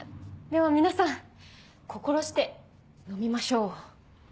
では皆さん心して飲みましょう！